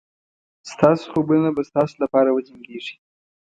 ستاسو خوبونه به ستاسو لپاره وجنګېږي.